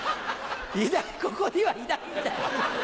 いないここにはいないんだよ！